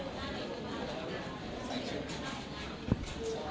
สวัสดีครับคุณผู้ชม